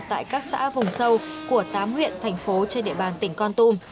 tại các xã vùng sâu của tám huyện thành phố trên địa bàn tỉnh con tum